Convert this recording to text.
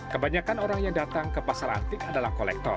kebanyakan orang yang datang ke pasar antik adalah kolektor